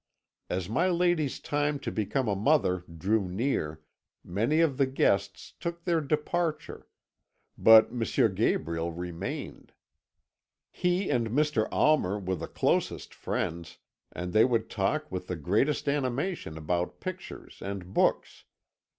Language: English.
"As my lady's time to become a mother drew near, many of the guests took their departure; but M. Gabriel remained. He and Mr. Almer were the closest friends, and they would talk with the greatest animation about pictures and books.